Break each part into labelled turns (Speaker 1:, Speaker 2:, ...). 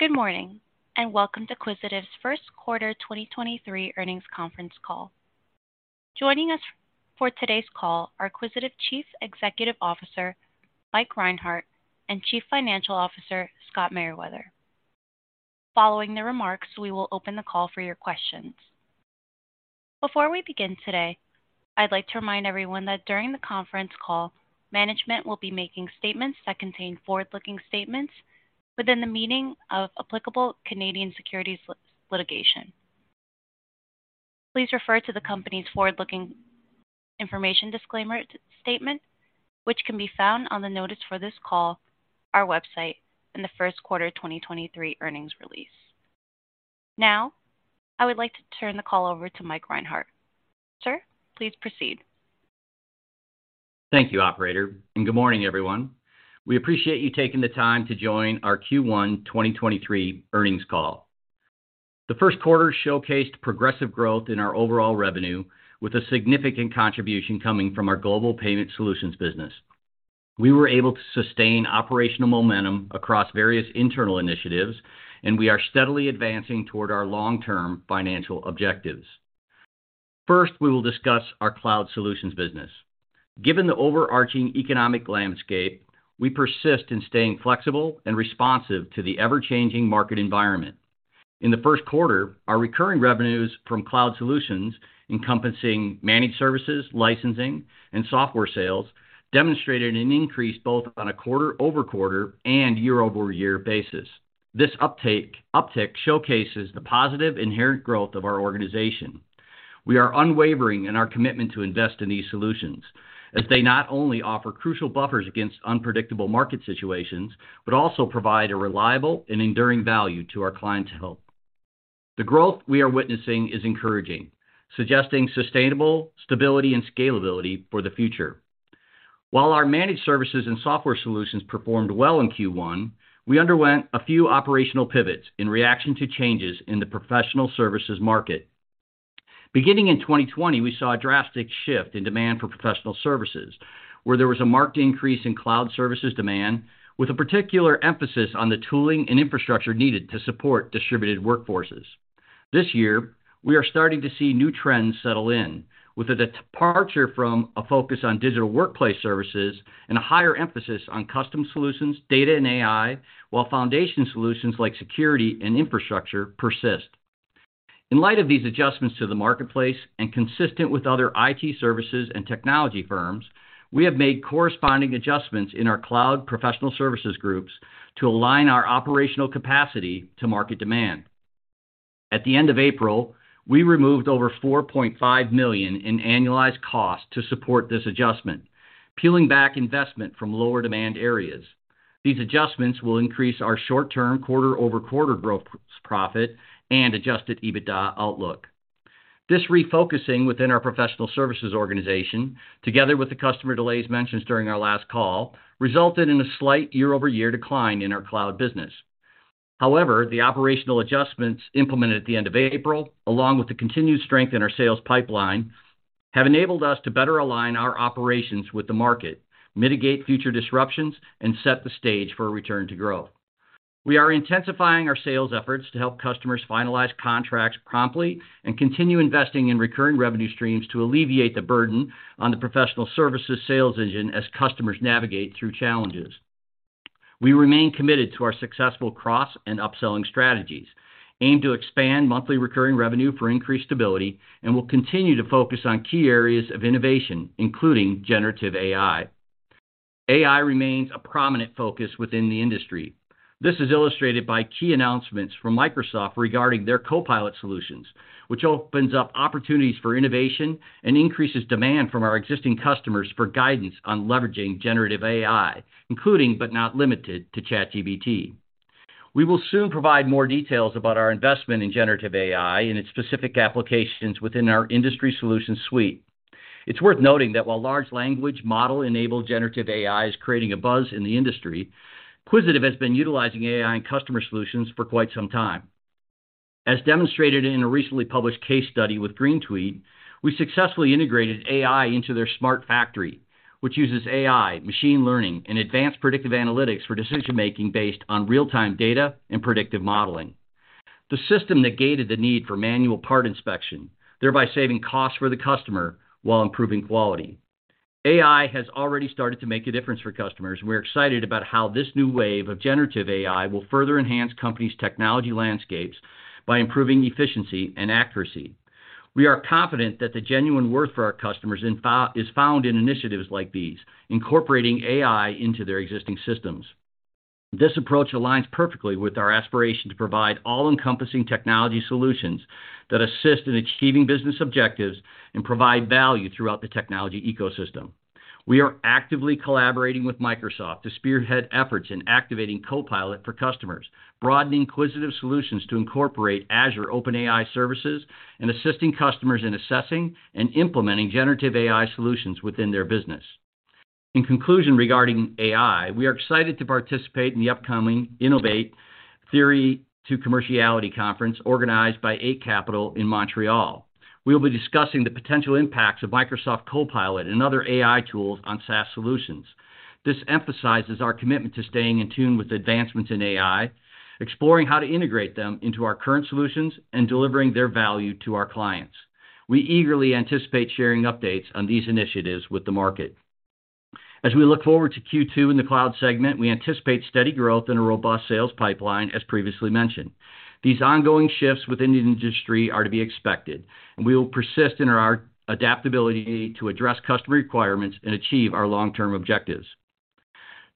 Speaker 1: Good morning, and welcome to Quisitive's First Quarter 2023 Earnings Conference Call. Joining us for today's call are Quisitive Chief Executive Officer, Mike Reinhart, and Chief Financial Officer, Scott Meriwether. Following the remarks, we will open the call for your questions. Before we begin today, I'd like to remind everyone that during the conference call, management will be making statements that contain forward-looking statements within the meaning of applicable Canadian securities litigation. Please refer to the company's forward-looking information disclaimer statement, which can be found on the notice for this call, our website in the first quarter 2023 earnings release. I would like to turn the call over to Mike Reinhart. Sir, please proceed.
Speaker 2: Thank you, operator. Good morning, everyone. We appreciate you taking the time to join our Q1 2023 earnings call. The first quarter showcased progressive growth in our overall revenue, with a significant contribution coming from our Global Payment Solutions business. We were able to sustain operational momentum across various internal initiatives. We are steadily advancing toward our long-term financial objectives. First, we will discuss our Global Cloud Solutions business. Given the overarching economic landscape, we persist in staying flexible and responsive to the ever-changing market environment. In the first quarter, our recurring revenues from Global Cloud Solutions encompassing managed services, licensing, and software sales demonstrated an increase both on a quarter-over-quarter and year-over-year basis. This uptick showcases the positive inherent growth of our organization. We are unwavering in our commitment to invest in these solutions as they not only offer crucial buffers against unpredictable market situations, but also provide a reliable and enduring value to our clientele. The growth we are witnessing is encouraging, suggesting sustainable stability and scalability for the future. While our managed services and software solutions performed well in Q1, we underwent a few operational pivots in reaction to changes in the professional services market. Beginning in 2020, we saw a drastic shift in demand for professional services, where there was a marked increase in cloud services demand, with a particular emphasis on the tooling and infrastructure needed to support distributed workforces. This year, we are starting to see new trends settle in with a departure from a focus on digital workplace services and a higher emphasis on custom solutions, data, and AI, while foundation solutions like security and infrastructure persist. In light of these adjustments to the marketplace, and consistent with other IT services and technology firms, we have made corresponding adjustments in our cloud professional services groups to align our operational capacity to market demand. At the end of April, we removed over $4.5 million in annualized cost to support this adjustment, peeling back investment from lower demand areas. These adjustments will increase our short-term quarter-over-quarter growth, profit, and Adjusted EBITDA outlook. This refocusing within our professional services organization, together with the customer delays mentioned during our last call, resulted in a slight year-over-year decline in our cloud business. The operational adjustments implemented at the end of April, along with the continued strength in our sales pipeline, have enabled us to better align our operations with the market, mitigate future disruptions, and set the stage for a return to growth. We are intensifying our sales efforts to help customers finalize contracts promptly and continue investing in recurring revenue streams to alleviate the burden on the professional services sales engine as customers navigate through challenges. We remain committed to our successful cross and upselling strategies, aim to expand monthly recurring revenue for increased stability, and will continue to focus on key areas of innovation, including generative AI. AI remains a prominent focus within the industry. This is illustrated by key announcements from Microsoft regarding their Copilot solutions, which opens up opportunities for innovation and increases demand from our existing customers for guidance on leveraging generative AI, including but not limited to ChatGPT. We will soon provide more details about our investment in generative AI and its specific applications within our industry solutions suite. It's worth noting that while large language model-enabled generative AI is creating a buzz in the industry, Quisitive has been utilizing AI and customer solutions for quite some time. As demonstrated in a recently published case study with Greene Tweed, we successfully integrated AI into their smart factory, which uses AI, machine learning, and advanced predictive analytics for decision-making based on real-time data and predictive modeling. The system negated the need for manual part inspection, thereby saving costs for the customer while improving quality. AI has already started to make a difference for customers. We're excited about how this new wave of generative AI will further enhance companies' technology landscapes by improving efficiency and accuracy. We are confident that the genuine worth for our customers is found in initiatives like these, incorporating AI into their existing systems. This approach aligns perfectly with our aspiration to provide all-encompassing technology solutions that assist in achieving business objectives and provide value throughout the technology ecosystem. We are actively collaborating with Microsoft to spearhead efforts in activating Copilot for customers, broadening Quisitive solutions to incorporate Azure OpenAI Service, and assisting customers in assessing and implementing generative AI solutions within their business. regarding AI, we are excited to participate in the upcoming Innovate Theory to Commerciality Conference organized by Eight Capital in Montreal. We will be discussing the potential impacts of Microsoft Copilot and other AI tools on SaaS solutions. This emphasizes our commitment to staying in tune with advancements in AI, exploring how to integrate them into our current solutions, and delivering their value to our clients. We eagerly anticipate sharing updates on these initiatives with the market. As we look forward to Q2 in the cloud segment, we anticipate steady growth in a robust sales pipeline, as previously mentioned. These ongoing shifts within the industry are to be expected, and we will persist in our adaptability to address customer requirements and achieve our long-term objectives.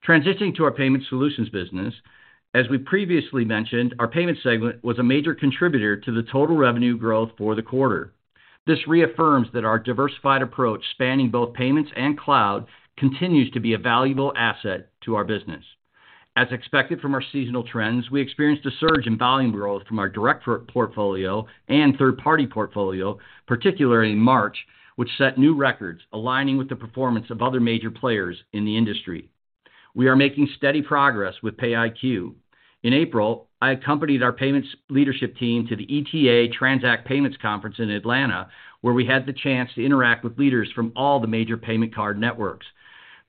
Speaker 2: Transitioning to our payment solutions business. As we previously mentioned, our payment segment was a major contributor to the total revenue growth for the quarter. This reaffirms that our diversified approach, spanning both payments and cloud, continues to be a valuable asset to our business. As expected from our seasonal trends, we experienced a surge in volume growth from our direct portfolio and third-party portfolio, particularly in March, which set new records aligning with the performance of other major players in the industry. We are making steady progress with PayiQ. In April, I accompanied our payments leadership team to the ETA TRANSACT Payments Conference in Atlanta, where we had the chance to interact with leaders from all the major payment card networks.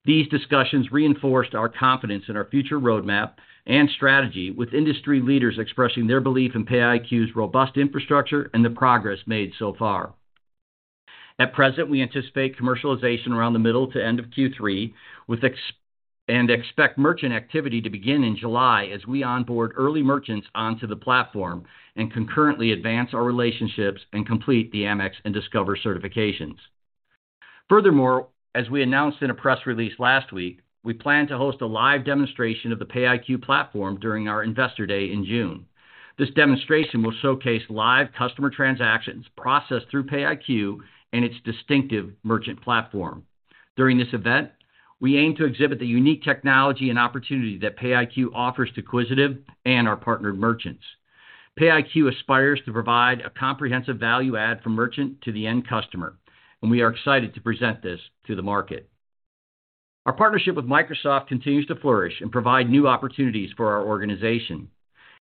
Speaker 2: These discussions reinforced our confidence in our future roadmap and strategy with industry leaders expressing their belief in PayiQ's robust infrastructure and the progress made so far. At present, we anticipate commercialization around the middle to end of Q3 and expect merchant activity to begin in July as we onboard early merchants onto the platform and concurrently advance our relationships and complete the Amex and Discover certifications. Furthermore, as we announced in a press release last week, we plan to host a live demonstration of the PayiQ platform during our investor day in June. This demonstration will showcase live customer transactions processed through PayiQ and its distinctive merchant platform. During this event, we aim to exhibit the unique technology and opportunity that PayiQ offers to Quisitive and our partnered merchants. PayiQ aspires to provide a comprehensive value add from merchant to the end customer, and we are excited to present this to the market. Our partnership with Microsoft continues to flourish and provide new opportunities for our organization.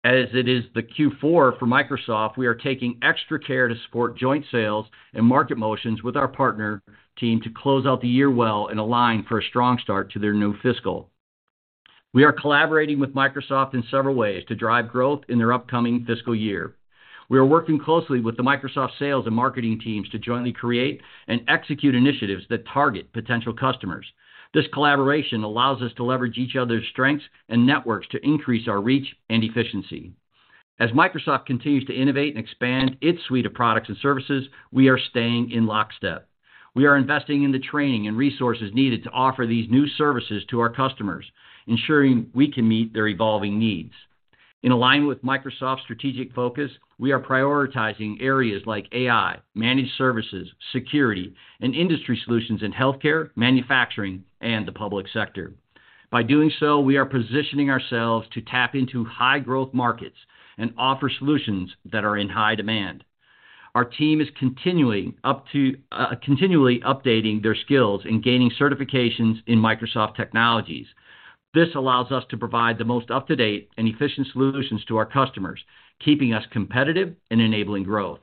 Speaker 2: As it is the Q4 for Microsoft, we are taking extra care to support joint sales and market motions with our partner team to close out the year well and align for a strong start to their new fiscal. We are collaborating with Microsoft in several ways to drive growth in their upcoming fiscal year. We are working closely with the Microsoft sales and marketing teams to jointly create and execute initiatives that target potential customers. This collaboration allows us to leverage each other's strengths and networks to increase our reach and efficiency. As Microsoft continues to innovate and expand its suite of products and services, we are staying in lockstep. We are investing in the training and resources needed to offer these new services to our customers, ensuring we can meet their evolving needs. In align with Microsoft's strategic focus, we are prioritizing areas like AI, managed services, security, and industry solutions in healthcare, manufacturing, and the public sector. By doing so, we are positioning ourselves to tap into high-growth markets and offer solutions that are in high demand. Our team is continually up to. continually updating their skills and gaining certifications in Microsoft technologies. This allows us to provide the most up-to-date and efficient solutions to our customers, keeping us competitive and enabling growth.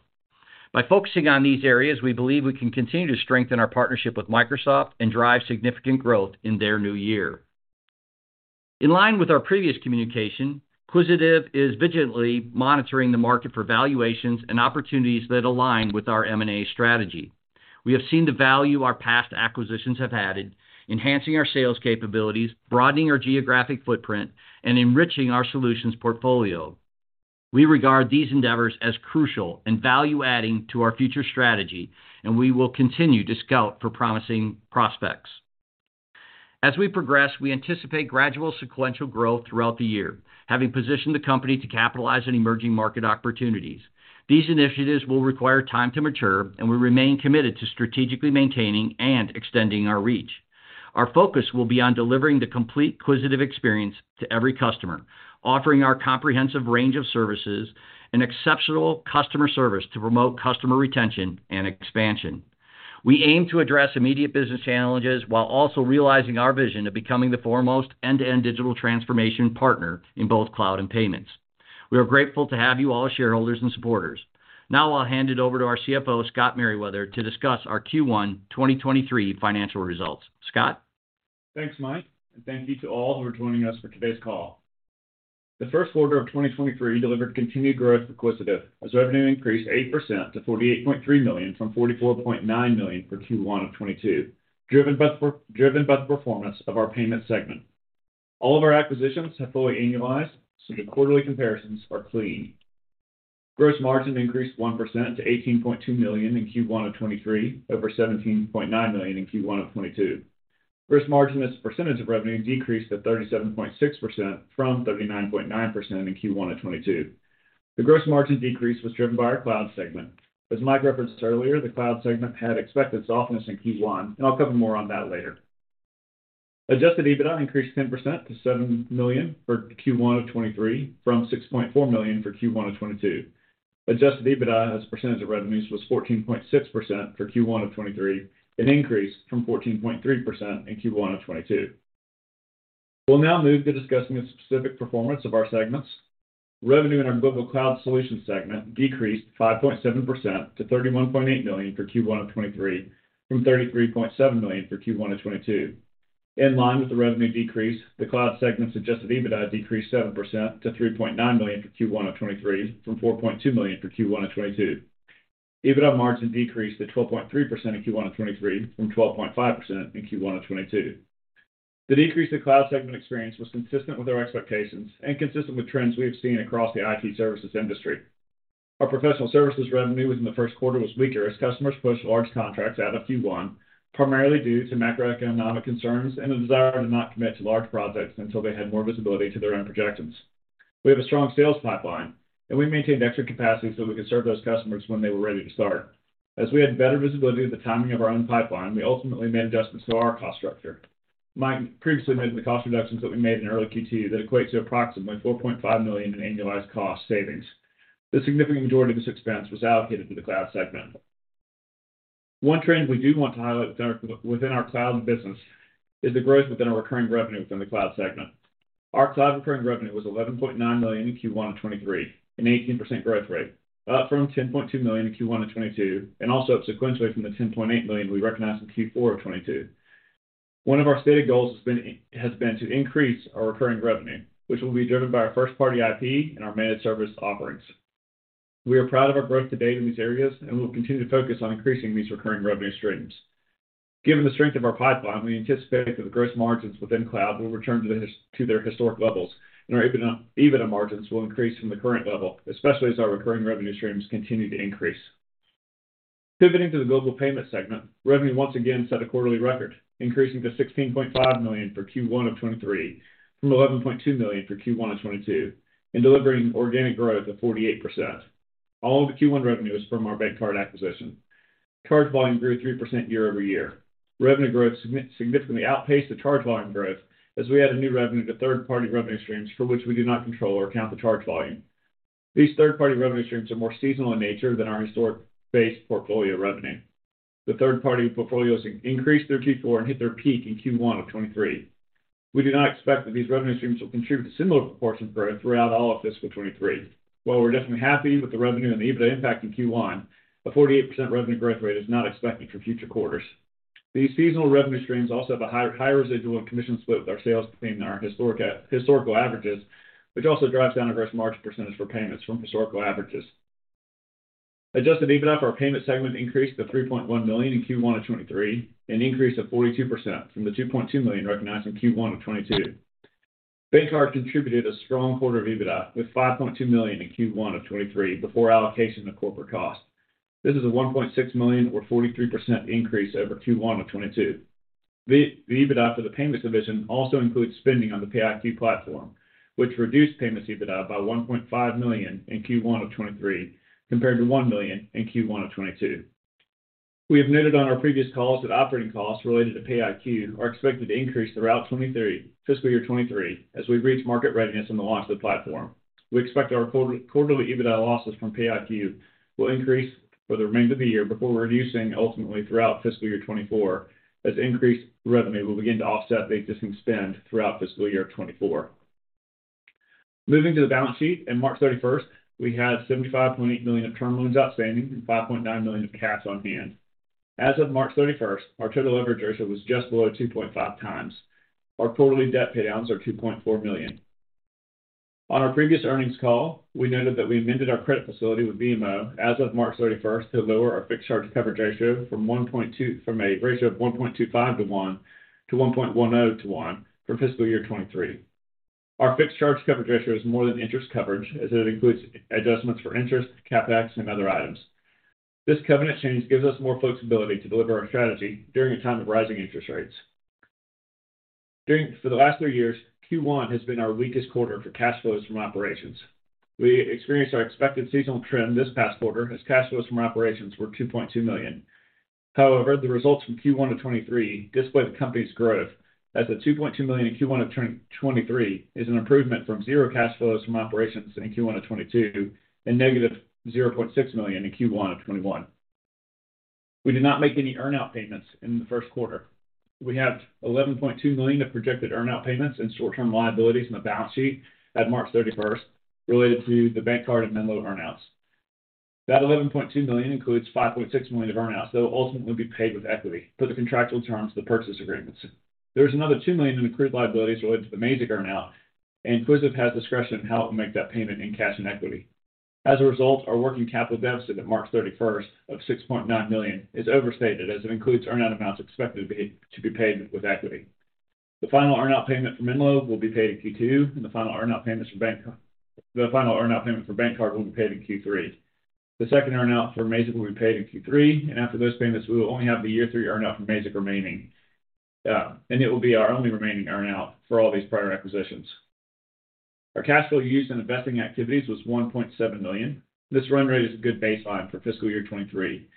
Speaker 2: By focusing on these areas, we believe we can continue to strengthen our partnership with Microsoft and drive significant growth in their new year. In line with our previous communication, Quisitive is vigilantly monitoring the market for valuations and opportunities that align with our M&A strategy. We have seen the value our past acquisitions have added, enhancing our sales capabilities, broadening our geographic footprint, and enriching our solutions portfolio. We regard these endeavors as crucial and value-adding to our future strategy, and we will continue to scout for promising prospects. As we progress, we anticipate gradual sequential growth throughout the year, having positioned the company to capitalize on emerging market opportunities. These initiatives will require time to mature, and we remain committed to strategically maintaining and extending our reach. Our focus will be on delivering the complete Quisitive experience to every customer, offering our comprehensive range of services and exceptional customer service to promote customer retention and expansion. We aim to address immediate business challenges while also realizing our vision of becoming the foremost end-to-end digital transformation partner in both cloud and payments. We are grateful to have you all as shareholders and supporters. Now, I'll hand it over to our CFO, Scott Meriwether, to discuss our Q1 2023 financial results. Scott?
Speaker 3: Thanks, Mike, and thank you to all who are joining us for today's call. The first quarter of 2023 delivered continued growth for Quisitive as revenue increased 8% to $48.3 million from $44.9 million for Q1 of 2022. Driven by the performance of our payment segment. All of our acquisitions have fully annualized, so the quarterly comparisons are clean. Gross margin increased 1% to $18.2 million in Q1 of 2023 over $17.9 million in Q1 of 2022. Gross margin as a percentage of revenue decreased to 37.6% from 39.9% in Q1 of 2022. The gross margin decrease was driven by our cloud segment. As Mike referenced earlier, the cloud segment had expected softness in Q1, and I'll cover more on that later. Adjusted EBITDA increased 10% to $7 million for Q1 of 2023 from $6.4 million for Q1 of 2022. Adjusted EBITDA as a percentage of revenues was 14.6% for Q1 of 2023, an increase from 14.3% in Q1 of 2022. We'll now move to discussing the specific performance of our segments. Revenue in our Global Cloud Solutions segment decreased 5.7% to $31.8 million for Q1 of 2023, from $33.7 million for Q1 of 2022. In line with the revenue decrease, the cloud segment's Adjusted EBITDA decreased 7% to $3.9 million for Q1 of 2023, from $4.2 million for Q1 of 2022. EBITDA margin decreased to 12.3% in Q1 of 2023 from 12.5% in Q1 of 2022. The decrease the cloud segment experienced was consistent with our expectations and consistent with trends we have seen across the IT services industry. Our professional services revenue within the first quarter was weaker as customers pushed large contracts out of Q1, primarily due to macroeconomic concerns and a desire to not commit to large projects until they had more visibility to their own projections. We have a strong sales pipeline. We maintained extra capacity so we could serve those customers when they were ready to start. As we had better visibility of the timing of our own pipeline, we ultimately made adjustments to our cost structure. Mike previously noted the cost reductions that we made in early Q2 that equate to approximately $4.5 million in annualized cost savings. The significant majority of this expense was allocated to the cloud segment. One trend we do want to highlight within our cloud business is the growth within our recurring revenue from the cloud segment. Our cloud recurring revenue was $11.9 million in Q1 of 2023, an 18% growth rate, up from $10.2 million in Q1 of 2022 and also up sequentially from the $10.8 million we recognized in Q4 of 2022. One of our stated goals has been to increase our recurring revenue, which will be driven by our first-party IP and our managed service offerings. We are proud of our growth to date in these areas, and we'll continue to focus on increasing these recurring revenue streams. Given the strength of our pipeline, we anticipate that the gross margins within cloud will return to their historic levels. Our EBITDA margins will increase from the current level, especially as our recurring revenue streams continue to increase. Pivoting to the Global Payment segment, revenue once again set a quarterly record, increasing to $16.5 million for Q1 of 2023 from $11.2 million for Q1 of 2022 and delivering organic growth of 48%. All of the Q1 revenue is from our BankCard acquisition. Charge volume grew 3% year-over-year. Revenue growth significantly outpaced the charge volume growth as we added new revenue to third-party revenue streams for which we do not control or count the charge volume. These third-party revenue streams are more seasonal in nature than our historic base portfolio revenue. The third party portfolios increased through Q4 and hit their peak in Q1 of 2023. We do not expect that these revenue streams will contribute a similar proportion growth throughout all of fiscal 2023. While we're definitely happy with the revenue and the EBITDA impact in Q1, a 48% revenue growth rate is not expected for future quarters. These seasonal revenue streams also have a higher residual and commission split with our sales team than our historical averages, which also drives down our gross margin % for payments from historical averages. Adjusted EBITDA for our payment segment increased to $3.1 million in Q1 of 2023, an increase of 42% from the $2.2 million recognized in Q1 of 2022. BankCard contributed a strong quarter of EBITDA with $5.2 million in Q1 of 2023 before allocation of corporate costs. This is a $1.6 million or 43% increase over Q1 of 2022. The EBITDA for the payments division also includes spending on the PayiQ platform, which reduced payments EBITDA by $1.5 million in Q1 of 2023 compared to $1 million in Q1 of 2022. We have noted on our previous calls that operating costs related to PayiQ are expected to increase throughout fiscal year 2023 as we've reached market readiness on the launch of the platform. We expect our quarterly EBITDA losses from PayiQ will increase for the remainder of the year before reducing ultimately throughout fiscal year 2024 as increased revenue will begin to offset the existing spend throughout fiscal year 2024. Moving to the balance sheet, in March 31st, we had $75.8 million of term loans outstanding and $5.9 million of cash on hand. As of March 31st, our total leverage ratio was just below 2.5x. Our quarterly debt paydowns are $2.4 million. On our previous earnings call, we noted that we amended our credit facility with BMO as of March 31st to lower our fixed charge coverage ratio from a ratio of 1.25 to one to 1.1 to one for fiscal year 2023. Our fixed charge coverage ratio is more than interest coverage as it includes adjustments for interest, CapEx, and other items. This covenant change gives us more flexibility to deliver our strategy during a time of rising interest rates. For the last three years, Q1 has been our weakest quarter for cash flows from operations. We experienced our expected seasonal trend this past quarter as cash flows from operations were $2.2 million. The results from Q1 of 2023 display the company's growth, as the $2.2 million in Q1 of 2023 is an improvement from zero cash flows from operations in Q1 of 2022 and negative $0.6 million in Q1 of 2021. We did not make any earn-out payments in the first quarter. We had $11.2 million of projected earn-out payments and short-term liabilities on the balance sheet at March 31st related to the BankCard and Menlo earn-outs. That $11.2 million includes $5.6 million of earn-outs that will ultimately be paid with equity per the contractual terms of the purchase agreements. There is another $2 million in accrued liabilities related to the Mazik earn-out, and Quisitive has discretion in how it will make that payment in cash and equity. Our working capital deficit at March 31st of $6.9 million is overstated, as it includes earn-out amounts expected to be paid with equity. The final earn-out payment for Menlo will be paid in Q2. The final earn-out payment for BankCard will be paid in Q3. The second earn-out for Mazik will be paid in Q3, and after those payments, we will only have the year three earn-out from Mazik remaining. It will be our only remaining earn-out for all these prior acquisitions. Our cash flow used in investing activities was $1.7 million. This run rate is a good baseline for fiscal year 2023.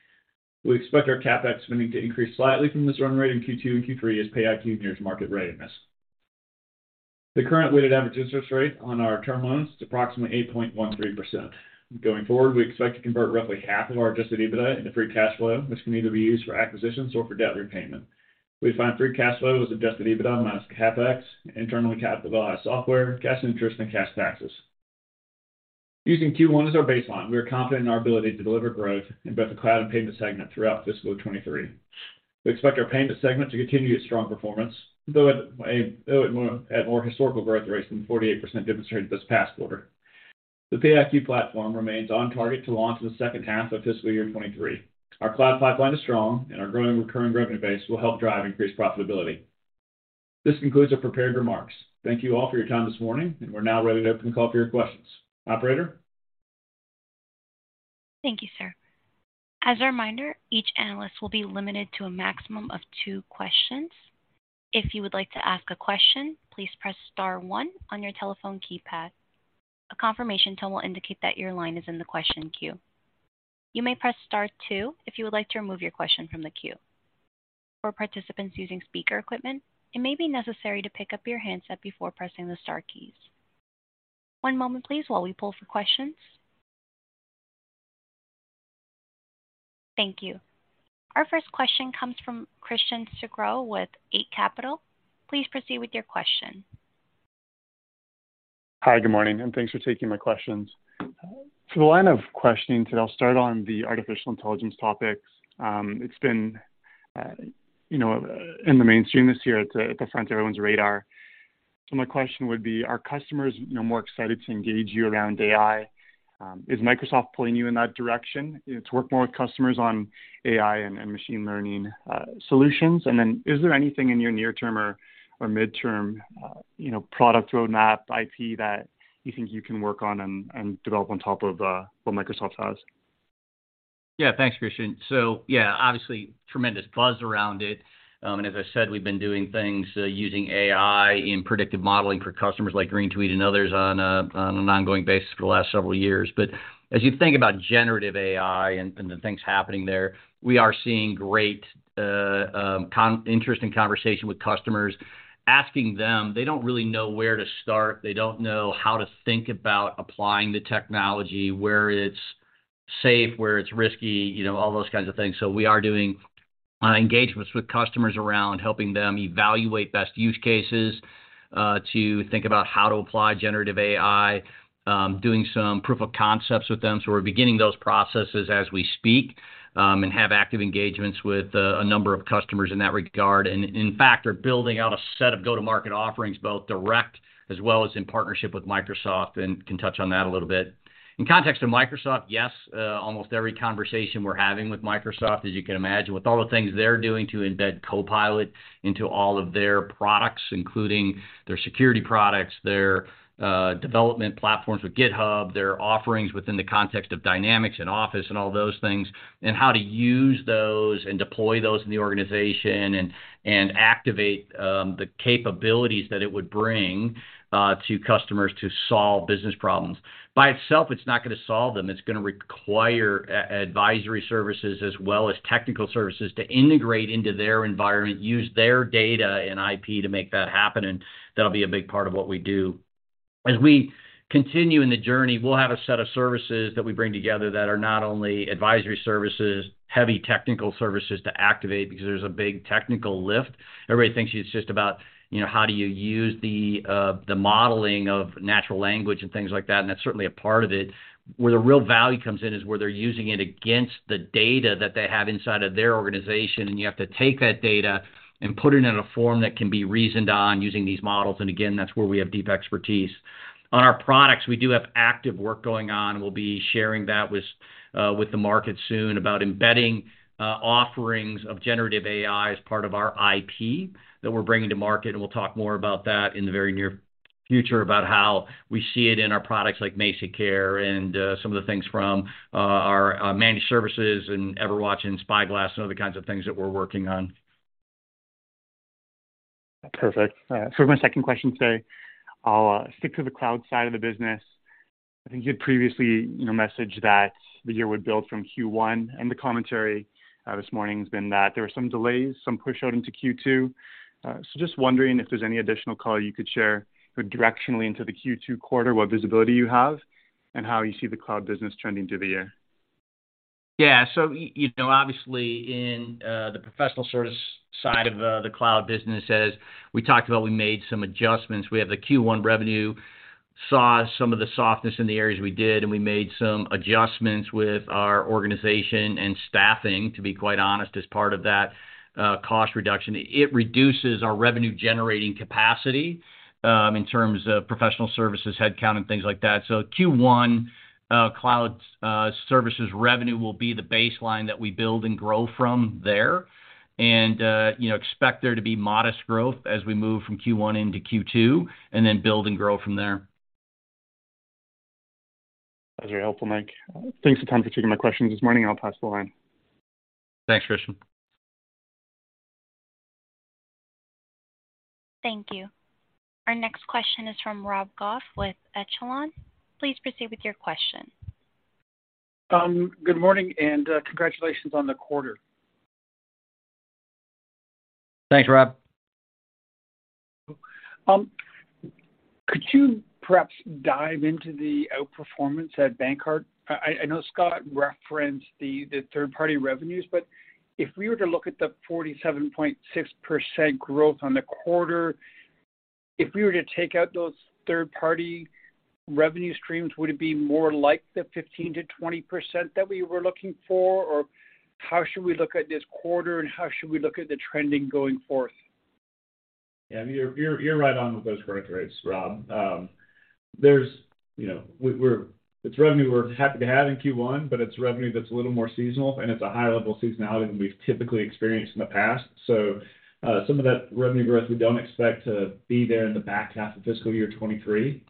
Speaker 3: We expect our CapEx spending to increase slightly from this run rate in Q2 and Q3 as PayiQ nears market readiness. The current weighted average interest rate on our term loans is approximately 8.13%. Going forward, we expect to convert roughly half of our Adjusted EBITDA into free cash flow, which can either be used for acquisitions or for debt repayment. We define free cash flow as Adjusted EBITDA minus CapEx, internally capitalized software, cash interest, and cash taxes. Using Q1 as our baseline, we are confident in our ability to deliver growth in both the cloud and payment segment throughout fiscal 2023. We expect our payment segment to continue its strong performance, though at more historical growth rates than the 48% demonstrated this past quarter. The PayiQ platform remains on target to launch in the second half of fiscal year 2023. Our cloud pipeline is strong, and our growing recurring revenue base will help drive increased profitability. This concludes our prepared remarks. Thank you all for your time this morning, and we're now ready to open the call for your questions. Operator?
Speaker 1: Thank you, sir. As a reminder, each analyst will be limited to a maximum of two questions. If you would like to ask a question, please press star one on your telephone keypad. A confirmation tone will indicate that your line is in the question queue. You may press star two if you would like to remove your question from the queue. For participants using speaker equipment, it may be necessary to pick up your handset before pressing the star keys. One moment please while we pull for questions. Thank you. Our first question comes from Christian Sgro with Eight Capital. Please proceed with your question.
Speaker 4: Hi, good morning, and thanks for taking my questions. For the line of questioning today, I'll start on the artificial intelligence topics. It's been, you know, in the mainstream this year at the, at the front of everyone's radar. My question would be, are customers, you know, more excited to engage you around AI? Is Microsoft pulling you in that direction to work more with customers on AI and machine learning solutions? Is there anything in your near-term or mid-term, you know, product roadmap IP that you think you can work on and develop on top of what Microsoft has?
Speaker 2: Yeah. Thanks, Christian. Yeah, obviously tremendous buzz around it. And as I said, we've been doing things using AI in predictive modeling for customers like Greene Tweed and others on an ongoing basis for the last several years. As you think about generative AI and the things happening there, we are seeing great interest in conversation with customers asking them. They don't really know where to start. They don't know how to think about applying the technology, where it's safe, where it's risky, you know, all those kinds of things. We are doing engagements with customers around helping them evaluate best use cases to think about how to apply generative AI, doing some proof of concepts with them. We're beginning those processes as we speak, and have active engagements with a number of customers in that regard. In fact, are building out a set of go-to-market offerings, both direct as well as in partnership with Microsoft, and can touch on that a little bit. In context of Microsoft, yes, almost every conversation we're having with Microsoft, as you can imagine, with all the things they're doing to embed Copilot into all of their products, including their security products, their development platforms with GitHub, their offerings within the context of Dynamics and Office and all those things, and how to use those and deploy those in the organization and activate the capabilities that it would bring to customers to solve business problems. By itself, it's not gonna solve them. It's gonna require advisory services as well as technical services to integrate into their environment, use their data and IP to make that happen. That'll be a big part of what we do. As we continue in the journey, we'll have a set of services that we bring together that are not only advisory services, heavy technical services to activate, because there's a big technical lift. Everybody thinks it's just about, you know, how do you use the modeling of natural language and things like that, and that's certainly a part of it. Where the real value comes in is where they're using it against the data that they have inside of their organization, and you have to take that data and put it in a form that can be reasoned on using these models. Again, that's where we have deep expertise. On our products, we do have active work going on, and we'll be sharing that with the market soon about embedding offerings of generative AI as part of our IP that we're bringing to market. We'll talk more about that in the very near future about how we see it in our products like MazikCare and some of the things from our managed services and Everwatch and Spyglass and other kinds of things that we're working on.
Speaker 4: Perfect. For my second question today, I'll stick to the cloud side of the business. I think you'd previously, you know, messaged that the year would build from Q1, and the commentary this morning has been that there were some delays, some push out into Q2. Just wondering if there's any additional color you could share directionally into the Q2 quarter, what visibility you have and how you see the cloud business trending through the year.
Speaker 2: Yeah. You know, obviously, in the professional service side of the cloud business, as we talked about, we made some adjustments. We have the Q1 revenue, saw some of the softness in the areas we did, and we made some adjustments with our organization and staffing, to be quite honest, as part of that cost reduction. It reduces our revenue generating capacity, in terms of professional services, headcount and things like that. Q1 cloud services revenue will be the baseline that we build and grow from there. You know, expect there to be modest growth as we move from Q1 into Q2, and then build and grow from there.
Speaker 4: That was very helpful, Mike. Thanks for time for taking my questions this morning. I'll pass the line.
Speaker 2: Thanks, Christian.
Speaker 1: Thank you. Our next question is from Rob Goff with Echelon. Please proceed with your question.
Speaker 5: Good morning, and congratulations on the quarter.
Speaker 2: Thanks, Rob.
Speaker 5: Could you perhaps dive into the outperformance at BankCard? I know Scott referenced the third-party revenues, but if we were to look at the 47.6% growth on the quarter, if we were to take out those third-party revenue streams, would it be more like the 15%-20% that we were looking for? How should we look at this quarter, and how should we look at the trending going forth?
Speaker 3: Yeah. You're right on with those growth rates, Rob. you know, it's revenue we're happy to have in Q1, but it's revenue that's a little more seasonal, and it's a higher level of seasonality than we've typically experienced in the past. Some of that revenue growth, we don't expect to be there in the back half of fiscal year 2023.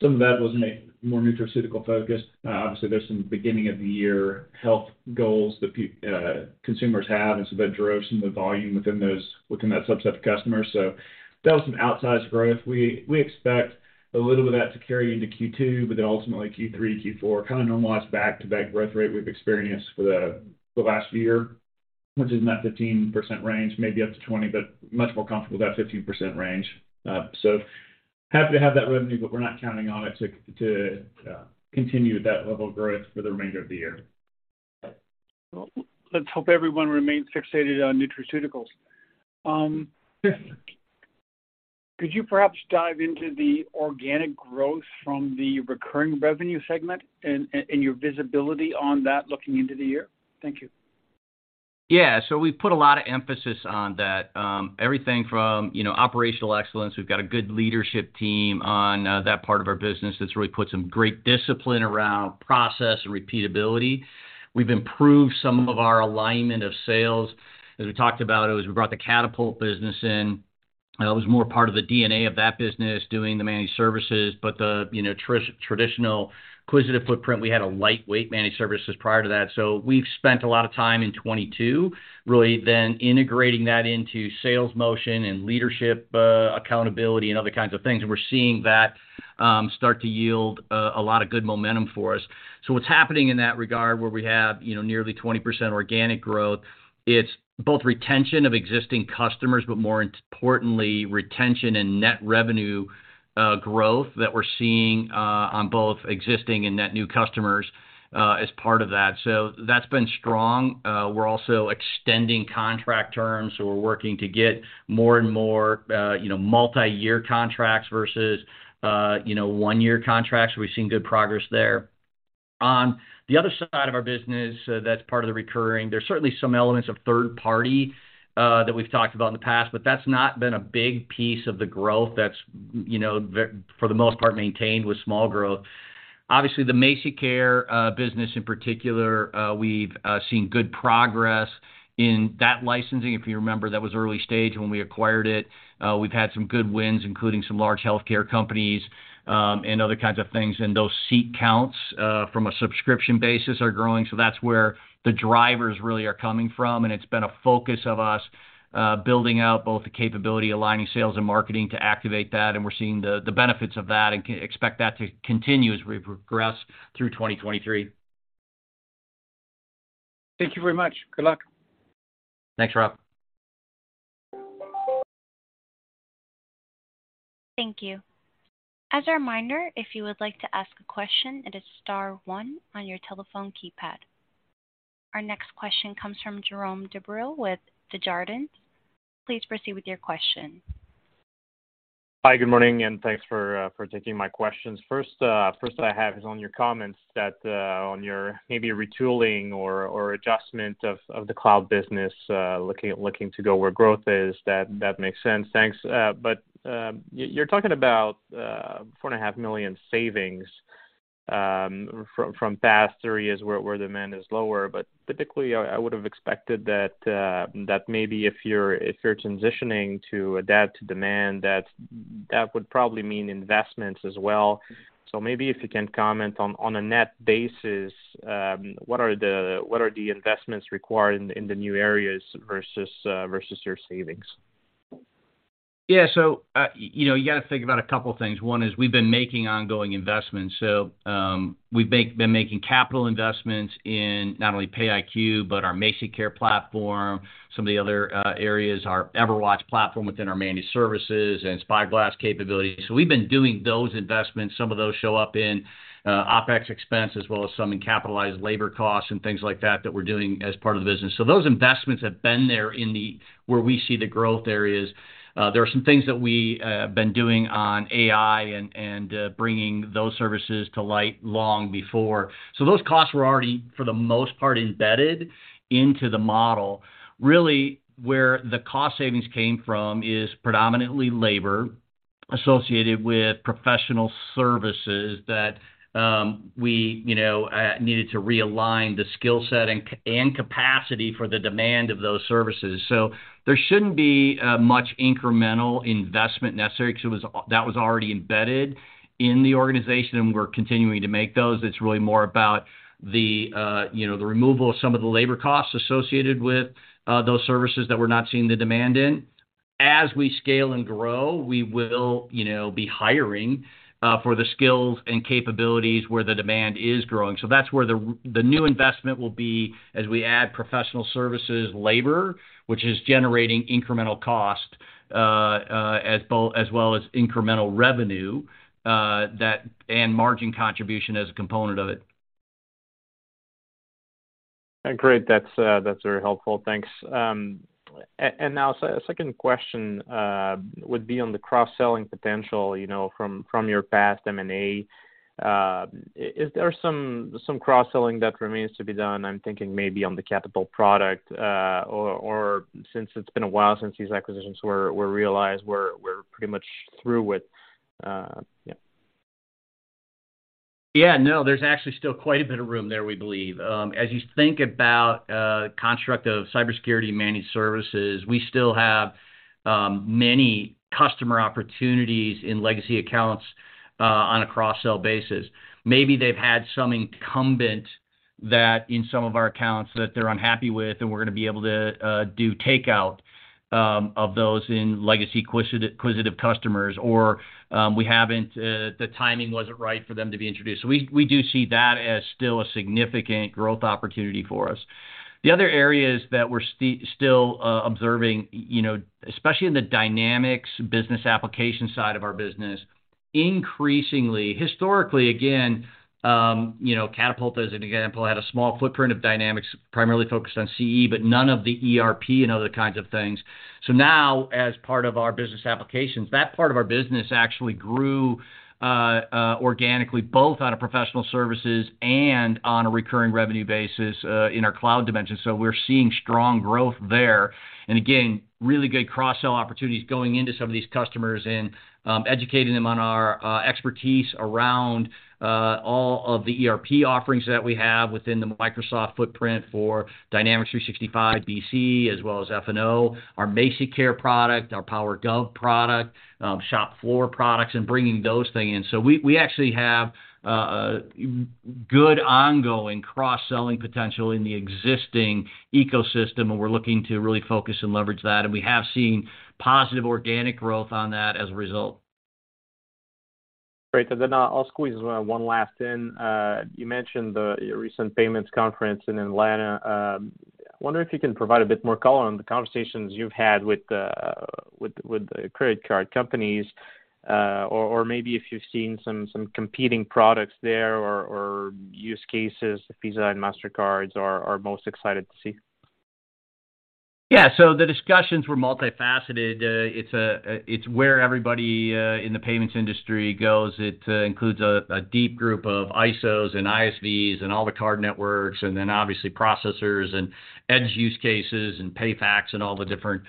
Speaker 3: Some of that was more nutraceutical focused. Obviously, there's some beginning of the year health goals that consumers have, and so that drove some of the volume within those, within that subset of customers. That was some outsized growth. We expect a little of that to carry into Q2, ultimately Q3, Q4 kind of normalize back-to-back growth rate we've experienced for the last year, which is in that 15% range, maybe up to 20, but much more comfortable with that 15% range. Happy to have that revenue, but we're not counting on it to continue that level of growth for the remainder of the year.
Speaker 5: Let's hope everyone remains fixated on nutraceuticals. Could you perhaps dive into the organic growth from the recurring revenue segment and your visibility on that looking into the year? Thank you.
Speaker 2: Yeah. We've put a lot of emphasis on that. Everything from, you know, operational excellence. We've got a good leadership team on that part of our business that's really put some great discipline around process and repeatability. We've improved some of our alignment of sales. As we talked about, we brought the Catapult business in. It was more part of the DNA of that business doing the managed services. The, you know, traditional Quisitive footprint, we had a lightweight managed services prior to that. We've spent a lot of time in 22 really then integrating that into sales motion and leadership, accountability and other kinds of things. We're seeing that start to yield a lot of good momentum for us. What's happening in that regard where we have, you know, nearly 20% organic growth, it's both retention of existing customers, but more importantly, retention and net revenue growth that we're seeing on both existing and net new customers as part of that. That's been strong. We're also extending contract terms, so we're working to get more and more, you know, multi-year contracts versus, you know, one-year contracts. We've seen good progress there. On the other side of our business, that's part of the recurring. There's certainly some elements of third party that we've talked about in the past, but that's not been a big piece of the growth that's, you know, for the most part, maintained with small growth. Obviously, the MazikCare business in particular, we've seen good progress in that licensing. If you remember, that was early stage when we acquired it. We've had some good wins, including some large healthcare companies, and other kinds of things. Those seat counts, from a subscription basis are growing. That's where the drivers really are coming from, and it's been a focus of us, building out both the capability, aligning sales and marketing to activate that. We're seeing the benefits of that and expect that to continue as we progress through 2023.
Speaker 5: Thank you very much. Good luck.
Speaker 2: Thanks, Rob.
Speaker 1: Thank you. As a reminder, if you would like to ask a question, it is star one on your telephone keypad. Our next question comes from Jérôme Dubreuil with Desjardins. Please proceed with your question.
Speaker 6: Hi, good morning. Thanks for taking my questions. First, I have is on your comments that on your maybe retooling or adjustment of the cloud business, looking to go where growth is. That makes sense. Thanks. You're talking about $4.5 million savings from past three years where demand is lower. Typically I would have expected that maybe if you're transitioning to adapt to demand, that that would probably mean investments as well. Maybe if you can comment on a net basis, what are the investments required in the new areas versus your savings?
Speaker 2: You know, you got to think about two things. One is we've been making ongoing investments. We've been making capital investments in not only PayiQ, but our MazikCare platform, some of the other areas, our Everwatch platform within our managed services and Spyglass capabilities. We've been doing those investments. Some of those show up in OpEx expense as well as some in capitalized labor costs and things like that we're doing as part of the business. Those investments have been there where we see the growth areas. There are some things that we have been doing on AI and bringing those services to light long before. Those costs were already, for the most part, embedded into the model. Really, where the cost savings came from is predominantly labor associated with professional services that, we, you know, needed to realign the skill set and capacity for the demand of those services. There shouldn't be much incremental investment necessary because that was already embedded in the organization, and we're continuing to make those. It's really more about the, you know, the removal of some of the labor costs associated with those services that we're not seeing the demand in. As we scale and grow, we will, you know, be hiring for the skills and capabilities where the demand is growing. That's where the new investment will be as we add professional services labor, which is generating incremental cost as well as incremental revenue that and margin contribution as a component of it.
Speaker 6: Great. That's very helpful. Thanks. Now second question would be on the cross-selling potential, you know, from your past M&A. Is there some cross-selling that remains to be done? I'm thinking maybe on the Catapult product, or since it's been a while since these acquisitions were realized, we're pretty much through with, yeah.
Speaker 2: No, there's actually still quite a bit of room there, we believe. As you think about construct of cybersecurity managed services, we still have many customer opportunities in legacy accounts on a cross-sell basis. Maybe they've had some incumbent that in some of our accounts that they're unhappy with, and we're gonna be able to do takeout of those in legacy acquisitive customers, or we haven't. The timing wasn't right for them to be introduced. We, we do see that as still a significant growth opportunity for us. The other areas that we're still observing, you know, especially in the Dynamics business application side of our business, increasingly, historically, again, you know, Catapult, as an example, had a small footprint of Dynamics, primarily focused on CE, but none of the ERP and other kinds of things. Now, as part of our business applications, that part of our business actually grew organically, both out of professional services and on a recurring revenue basis in our cloud dimension. We're seeing strong growth there. Again, really good cross-sell opportunities going into some of these customers and educating them on our expertise around all of the ERP offerings that we have within the Microsoft footprint for Dynamics 365 BC, as well as FNO, our MazikCare product, our PowerGov product, ShopFloor products, and bringing those things in. We actually have good ongoing cross-selling potential in the existing ecosystem, and we're looking to really focus and leverage that. We have seen positive organic growth on that as a result.
Speaker 6: Great. Then I'll squeeze one last in. You mentioned the recent payments conference in Atlanta. Wondering if you can provide a bit more color on the conversations you've had with the credit card companies, or maybe if you've seen some competing products there or use cases Visa and Mastercard are most excited to see.
Speaker 2: Yeah. The discussions were multifaceted. It's where everybody in the payments industry goes. It includes a deep group of ISOs and ISVs and all the card networks, and then obviously processors and edge use cases and PayFacs and all the different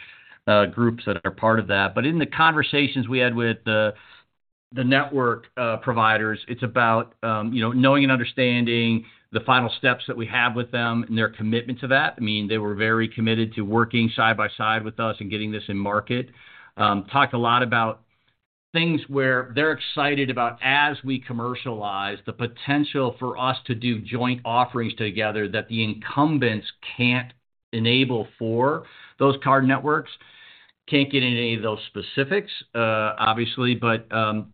Speaker 2: groups that are part of that. In the conversations we had with the network providers, it's about, you know, knowing and understanding the final steps that we have with them and their commitment to that. I mean, they were very committed to working side by side with us and getting this in market. Talked a lot about things where they're excited about as we commercialize the potential for us to do joint offerings together that the incumbents can't enable for those card networks. Can't get into any of those specifics, obviously, but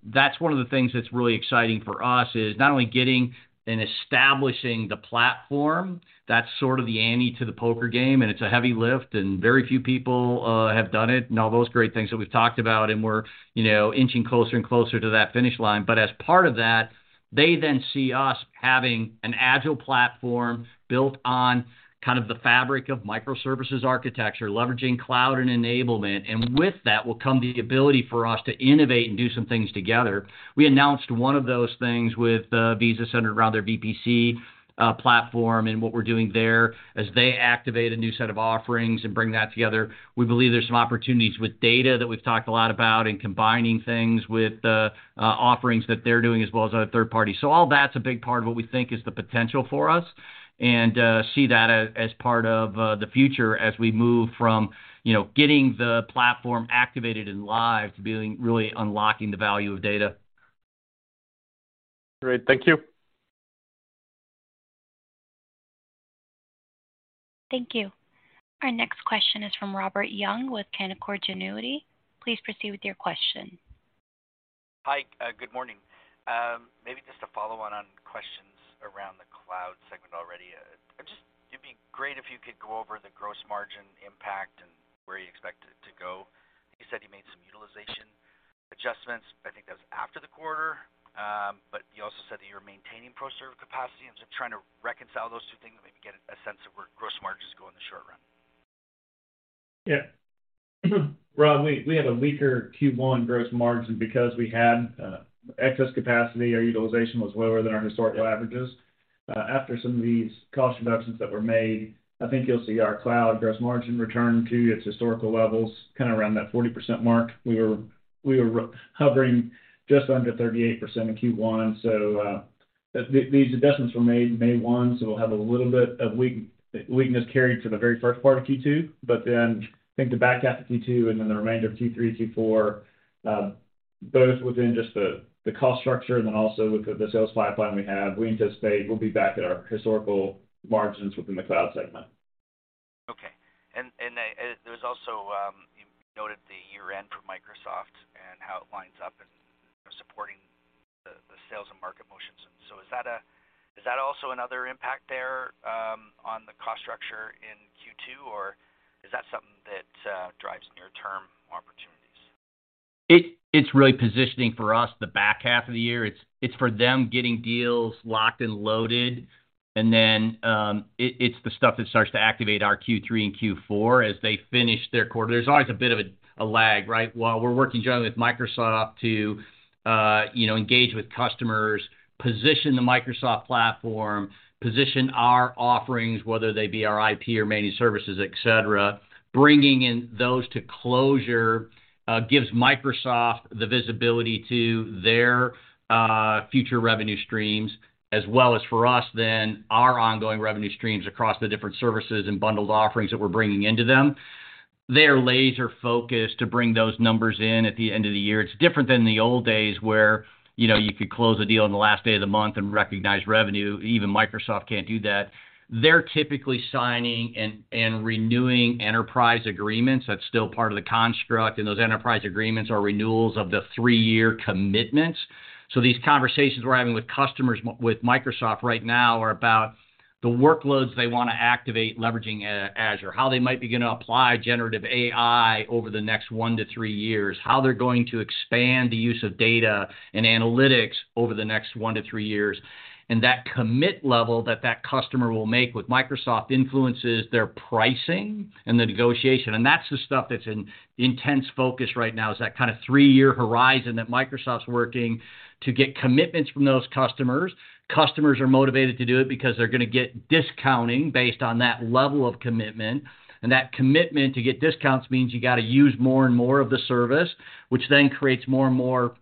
Speaker 2: that's one of the things that's really exciting for us is not only getting and establishing the platform. That's sort of the ante to the poker game, and it's a heavy lift, and very few people have done it, and all those great things that we've talked about, and we're, you know, inching closer and closer to that finish line. As part of that, they then see us having an agile platform built on kind of the fabric of microservices architecture, leveraging cloud and enablement. With that will come the ability for us to innovate and do some things together. We announced one of those things with Visa centered around their VPC platform and what we're doing there as they activate a new set of offerings and bring that together. We believe there's some opportunities with data that we've talked a lot about and combining things with the offerings that they're doing as well as our third party. All that's a big part of what we think is the potential for us and see that as part of the future as we move from, you know, getting the platform activated and live to being really unlocking the value of data.
Speaker 6: Great. Thank you.
Speaker 1: Thank you. Our next question is from Robert Young with Canaccord Genuity. Please proceed with your question.
Speaker 7: Hi. Good morning. Maybe just to follow on questions around the cloud segment already. It'd be great if you could go over the gross margin impact and where you expect it to go. I think you said you made some utilization adjustments. I think that was after the quarter. You also said that you're maintaining pro server capacity. I'm just trying to reconcile those two things and maybe get a sense of where gross margins go in the short run.
Speaker 2: Yeah. Rob, we had a weaker Q1 gross margin because we had excess capacity. Our utilization was lower than our historical averages. After some of these cost reductions that were made, I think you'll see our cloud gross margin return to its historical levels, kind of around that 40% mark. We were hovering just under 38% in Q1. These adjustments were made in May 1, so we'll have a little bit of weakness carried to the very first part of Q2. I think the back half of Q2 and then the remainder of Q3, Q4, Both within just the cost structure and then also with the sales pipeline we have, we anticipate we'll be back at our historical margins within the cloud segment.
Speaker 7: Okay. There's also, you noted the year-end for Microsoft and how it lines up in supporting the sales and market motions. Is that also another impact there on the cost structure in Q2, or is that something that drives near-term opportunities?
Speaker 2: It's really positioning for us the back half of the year. It's for them getting deals locked and loaded, and then it's the stuff that starts to activate our Q3 and Q4 as they finish their quarter. There's always a bit of a lag, right? While we're working generally with Microsoft to, you know, engage with customers, position the Microsoft platform, position our offerings, whether they be our IP or managed services, et cetera. Bringing in those to closure gives Microsoft the visibility to their future revenue streams, as well as for us then our ongoing revenue streams across the different services and bundled offerings that we're bringing into them. They are laser-focused to bring those numbers in at the end of the year. It's different than the old days where, you know, you could close a deal on the last day of the month and recognize revenue. Even Microsoft can't do that. They're typically signing and renewing enterprise agreements. That's still part of the construct, and those enterprise agreements are renewals of the three-year commitments. These conversations we're having with customers, with Microsoft right now are about the workloads they wanna activate leveraging Azure. How they might begin to apply generative AI over the next one to three years. How they're going to expand the use of data and analytics over the next one to three years. That commit level that that customer will make with Microsoft influences their pricing and the negotiation. That's the stuff that's in intense focus right now, is that kinda three-year horizon that Microsoft's working to get commitments from those customers. Customers are motivated to do it because they're gonna get discounting based on that level of commitment. That commitment to get discounts means you gotta use more and more of the service, which then creates more and more